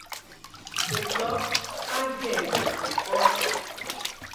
Pɛcʉ̈ ká jʉɛ ŋcí pɔ́.